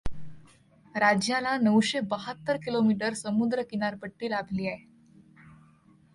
राज्याला नऊशे बहात्तर किलोमीटर समुद्र किनारपट्टी लाभली आहे.